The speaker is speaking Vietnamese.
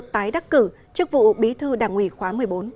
tái đắc cử chức vụ bí thư đảng ủy khóa một mươi bốn